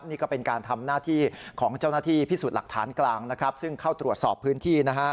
นี่ก็เป็นการทำหน้าที่ของเจ้าหน้าที่พิสูจน์หลักฐานกลางซึ่งเข้าตรวจสอบพื้นที่